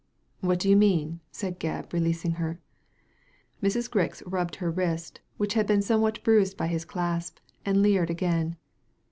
"What do you mean ?" said Gebb, releasing her. Mrs. Grix rubbed her wrist, which had been some what bruised by his clasp, and leered again.